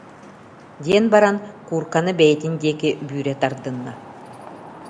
диэн баран, куурканы бэйэтин диэки бүүрэ тардынна